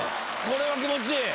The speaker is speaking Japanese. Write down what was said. これは気持ちいい！